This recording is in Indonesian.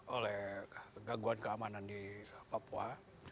oleh gangguan keamanan di papua